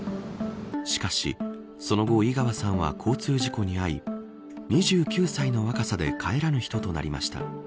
しかし、その後井川さんは交通事故に遭い２９歳の若さで帰らぬ人となりました。